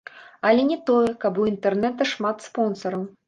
Але не тое, каб у інтэрната шмат спонсараў.